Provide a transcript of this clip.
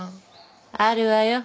あるわよ